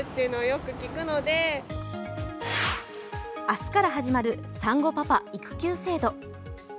明日から始まる産後パパ育休制度。